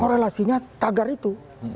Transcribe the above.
korelasinya tagar itu